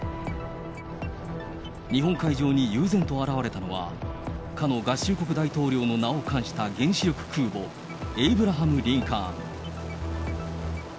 日本海上に悠然と現れたのは、かの合衆国大統領の名を冠した原子力空母、エイブラハム・リンカーン。